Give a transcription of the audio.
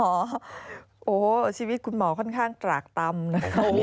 โอ้โหชีวิตคุณหมอค่อนข้างตรากต่ำนะคะ